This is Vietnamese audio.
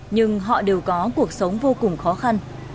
nhưng họ đều có cuộc sống vô cùng khó khăn